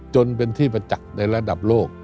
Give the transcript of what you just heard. จนเป็นที่ประจักษ์ในระดับโลก